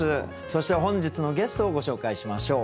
そして本日のゲストをご紹介しましょう。